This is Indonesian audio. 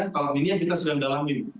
kalau ini yang kita sedang dalami